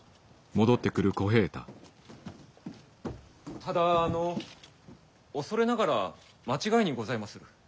ただあの恐れながら間違いにございまする。